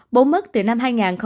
bố mất từ năm hai nghìn một mươi chín